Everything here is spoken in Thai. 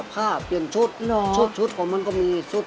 ผ้าเปลี่ยนชุดชุดของมันก็มีชุด